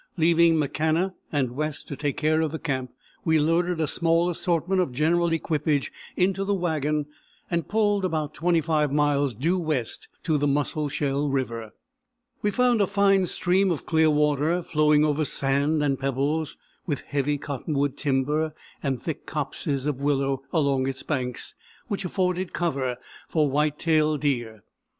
Leaving McCanna and West to take care of the camp, we loaded a small assortment of general equipage into the wagon and pulled about 25 miles due west to the Musselshell River. We found a fine stream of clear water, flowing over sand and pebbles, with heavy cottonwood timber and thick copses of willow along its banks, which afforded cover for white tailed deer.